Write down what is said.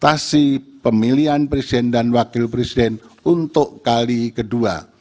dan kemudian memilih presiden dan wakil presiden untuk kali kedua